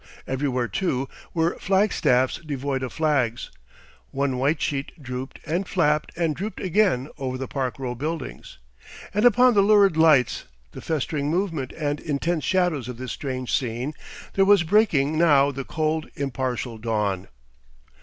Everywhere, too, were flagstaffs devoid of flags; one white sheet drooped and flapped and drooped again over the Park Row buildings. And upon the lurid lights, the festering movement and intense shadows of this strange scene, there was breaking now the cold, impartial dawn.